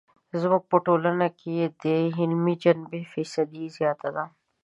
زموږ په ټولنه کې یې د عملي جنبې فیصدي زیاته ده.